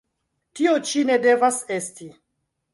Tio ĉi ne devas esti!